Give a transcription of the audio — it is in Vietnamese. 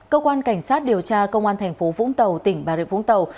cơ quan cảnh sát điều tra công an thành phố vũng tàu tỉnh bà rịa vũng tàu